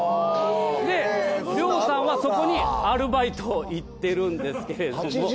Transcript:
で両さんはそこにアルバイト行ってるんですけれども。